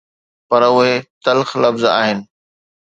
پر اهي تلخ لفظ آهن.